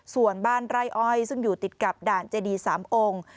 ส่วนบ้านไร่อ้อยซึ่งอยู่ติดกับด่านเจดี๓องค์